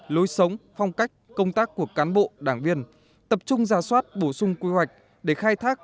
lối sống phong cách công tác của cán bộ đảng viên tập trung ra soát bổ sung quy hoạch để khai thác